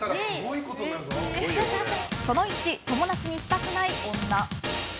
その１、友達にしたくない女。